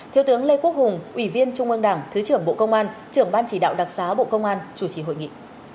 thiếu tướng lê quốc hùng ủy viên trung ương đảng thứ trưởng bộ công an trưởng ban chỉ đạo đặc xá bộ công an chủ trì hội nghị